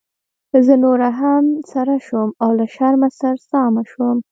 زه نوره هم سره شوم او له شرمه سرسامه شوم.